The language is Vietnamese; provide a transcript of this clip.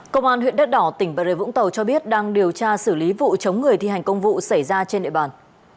công an huyện đất đỏ tỉnh bà rệ vũng tàu cho biết đang điều tra xử lý vụ chống người thi hành công vụ xảy ra trên địa bàn